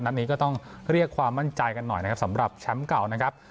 นี้ก็ต้องเรียกความมั่นใจกันหน่อยนะครับสำหรับแชมป์เก่านะครับ